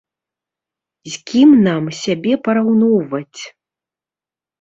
З кім нам сябе параўноўваць?